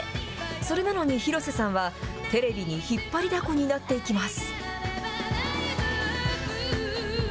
それなのに広瀬さんは、テレビに引っ張りだこになっていきます。